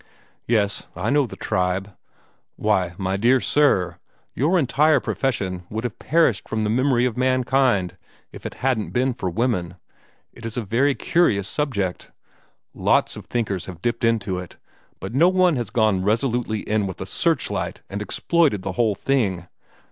"Yes, I know the tribe. Why, my dear sir, your entire profession would have perished from the memory of mankind, if it hadn't been for women. It is a very curious subject. Lots of thinkers have dipped into it, but no one has gone resolutely in with a search light and exploited the whole thing.